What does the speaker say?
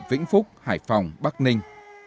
vĩnh phúc hải phòng bắc ninh